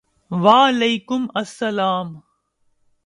وعلیکم السلام ！